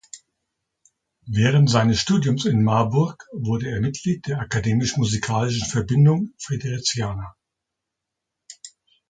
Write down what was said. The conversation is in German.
Während seines Studiums in Marburg wurde er Mitglied der Akademisch-Musikalischen Verbindung Fridericiana.